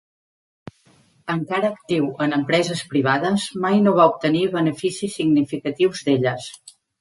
Encara actiu en empreses privades, mai no va obtenir beneficis significatius d'elles.